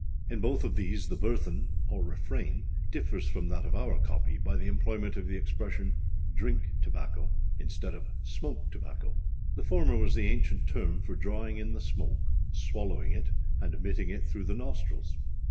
In both these the burthen, or refrain, differs from that of our copy by the employment of the expression â_drink_ tobacco,â instead of â_smoke_ tobacco.â The former was the ancient term for drawing in the smoke, swallowing it, and emitting it through the nostrils.